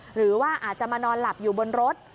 หรือว่าอาจจะมานอนหลับอยู่บนรถ